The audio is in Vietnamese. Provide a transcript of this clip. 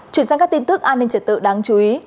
chuyển sang các tin tức an ninh trật tự đáng chú ý